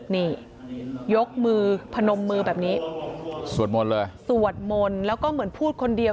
นี่ยกมือพนมมือแบบนี้สวดมนต์เลยสวดมนต์แล้วก็เหมือนพูดคนเดียว